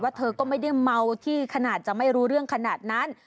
เธอก็ไม่ได้เมาที่ขนาดจะไม่รู้เรื่องขนาดนั้น